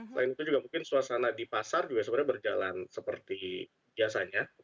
selain itu juga mungkin suasana di pasar juga sebenarnya berjalan seperti biasanya